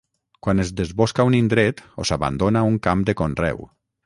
quan es desbosca un indret o s'abandona un camp de conreu